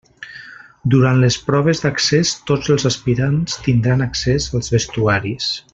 Durant les proves d'accés tots els aspirants tindran accés als vestuaris.